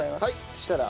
そしたら？